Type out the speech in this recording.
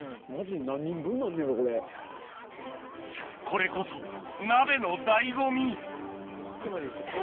これこそ鍋の醍醐味